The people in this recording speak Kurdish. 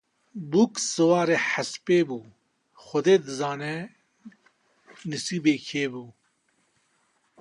Bûk siwarî hespê bû, Xwedê dizane nisîbê kê bû.